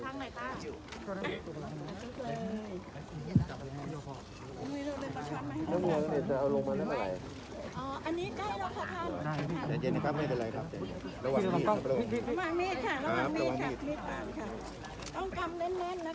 อันนี้ใกล้แล้วค่ะท่านใจเย็นครับไม่ได้ไรครับระหว่างนี้ค่ะระหว่างนี้ค่ะระหว่างนี้ค่ะต้องกรรมแน่นแน่นนะคะ